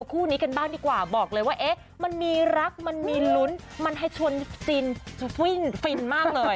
คู่นี้กันบ้างดีกว่าบอกเลยว่าเอ๊ะมันมีรักมันมีลุ้นมันให้ชวนฟินวิ่งฟินมากเลย